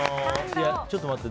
ちょっと待って。